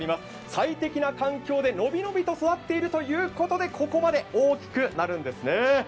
最適な環境で伸び伸びと育っているということでここまで大きくなるんですね。